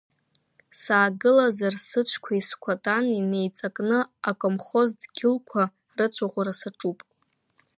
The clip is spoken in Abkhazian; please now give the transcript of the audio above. Саагылазар сыцәқәеи скәаҭани неиҵакны акомхоз дгьылқәа рыцәаӷәара саҿуп.